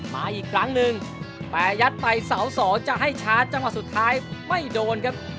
มาอีกครั้งหนึ่งแต่ยัดไปเสาสองจะให้ชาร์จจังหวะสุดท้ายไม่โดนครับ